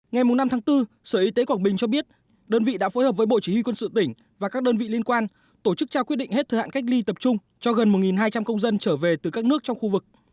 ngày năm tháng bốn sở y tế quảng bình cho biết đơn vị đã phối hợp với bộ chỉ huy quân sự tỉnh và các đơn vị liên quan tổ chức trao quyết định hết thời hạn cách ly tập trung cho gần một hai trăm linh công dân trở về từ các nước trong khu vực